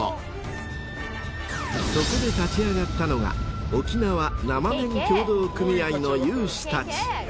［そこで立ち上がったのが沖縄生麺協同組合の有志たち］